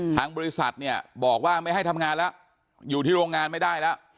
ทางบริษัทเนี่ยบอกว่าไม่ให้ทำงานแล้วอยู่ที่โรงงานไม่ได้แล้ว